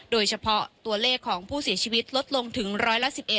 โดยเฉพาะตัวเลขของผู้เสียชีวิตลดลงถึงร้อยละ๑๑